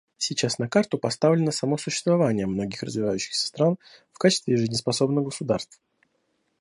Сейчас на карту поставлено само существование многих развивающихся стран в качестве жизнеспособных государств.